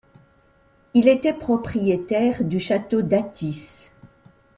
Il était propriétaire du château d'Athis.